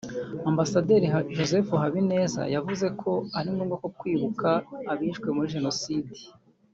Ambasaderi Joseph Habineza yavuze ko ari ngombwa ko twibuka abishwe muri Jenoside